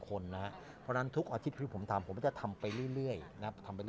เพราะฉะนั้นทุกอาทิตย์ที่ผมทำผมจะทำไปเรื่อยนะครับ